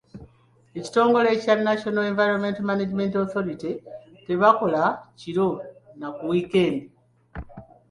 Ab'ekitongole kya National Environmental Management Authority tebakola kiro na ku wiikendi.